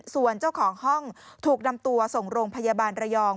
ส่วนเจ้าของห้องถูกนำตัวส่งโรงพยาบาลระยอง